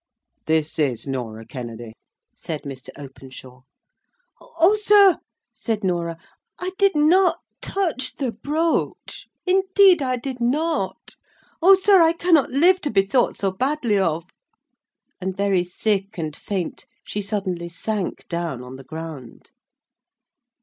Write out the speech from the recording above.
"This is Norah Kennedy," said Mr. Openshaw. "O, sir," said Norah, "I did not touch the brooch; indeed I did not. O, sir, I cannot live to be thought so badly of;" and very sick and faint, she suddenly sank down on the ground.